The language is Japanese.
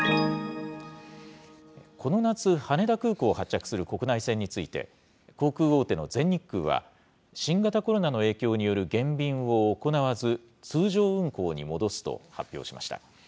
この夏、羽田空港を発着する国内線について、航空大手の全日空は、新型コロナの影響による減便を行わず、通常運航に戻すと発表しました。